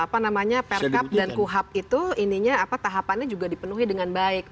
apa namanya perkab dan kuhap itu tahapannya juga dipenuhi dengan baik